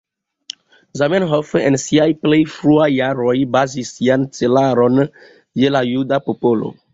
Zamenhof, en siaj plej fruaj jaroj, bazis sian celaron je la juda popolo.